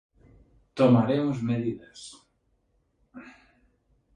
Tomaremos medidas.